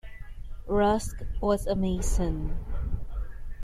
Rusk was a Mason.